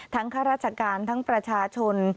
ข้าราชการทั้งประชาชน